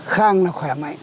khang là khỏe mạnh